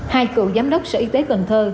hai cựu giám đốc sở y tế cần thơ